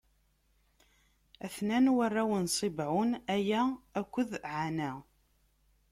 A-ten-an warraw n Ṣibɛun: Aya akked Ɛana.